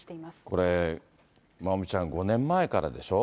これ、まおみちゃん、５年前からでしょ。